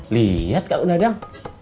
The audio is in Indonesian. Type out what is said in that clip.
lihat kang dadang